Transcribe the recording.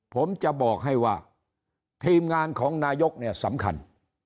ผมจะบอกให้ว่าทีมงานของนายกเนี่ยสำคัญ